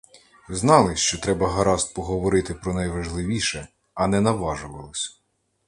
Знали, що треба гаразд поговорити про найважливіше, а не наважувались.